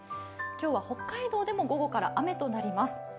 今日は北海道でも午後から雨となります。